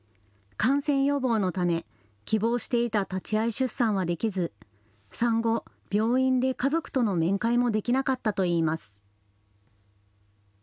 感染予防のため、希望していた立ち会い出産はできず、産後、病院で家族との面会もできなかったといいます。